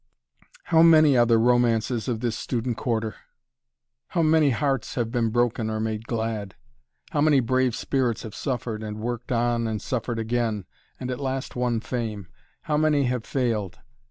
How many are the romances of this student Quarter! How many hearts have been broken or made glad! How many brave spirits have suffered and worked on and suffered again, and at last won fame! How many have failed!